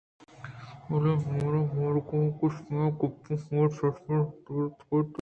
بلے نوں من مارگاہاں کہ شمئے گپّاں ہُود ءَ سرمَہ کنان ءُ مَہ براں گہتر اِنت